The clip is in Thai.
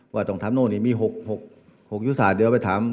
ว่าตรงทำนวงนี้มี๖ยุษัทเดียวไปทำ